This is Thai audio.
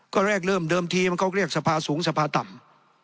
ก็แรกเริ่มเดิมทีมันเขาเรียกสภาสูงสภาต่ำ